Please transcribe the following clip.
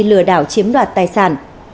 lừa đảo chiếm đoạt tài sản